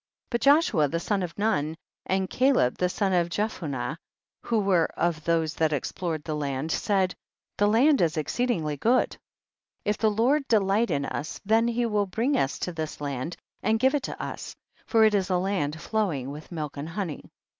But Joshua the son of Nun, and Caleb the son of Jephuneh, who were of those that explored the land, said, the land is exceedingly good. 38. If the Lord delight in us, then he will bring us to this land and give it to us, for it is a land flowing with milk and honey. 39.